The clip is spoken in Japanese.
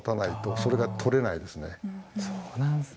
そうなんですね。